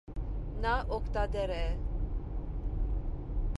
Նա օգտատեր է։